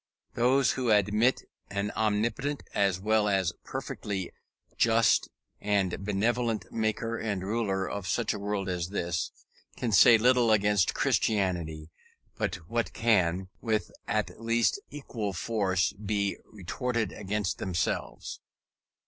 Those who admit an omnipotent as well as perfectly just and benevolent maker and ruler of such a world as this, can say little against Christianity but what can, with at least equal force, be retorted against themselves.